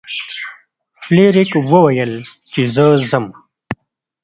فلیریک وویل چې زه ځم.